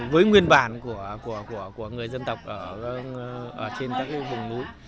với nguyên bản của người dân tộc ở trên các vùng núi